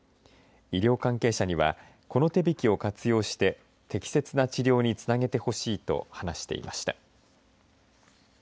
医療関係者にはこの手引きを活用して適切な治療につなげてほしいと話していました。